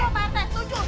setuju pak rt